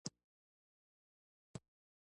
ایا پوهیږئ چې صبر اجر لري؟